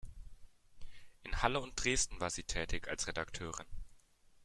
In Halle und Dresden war sie tätig als Redakteurin.